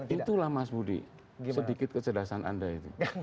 itulah mas budi sedikit kecerdasan anda itu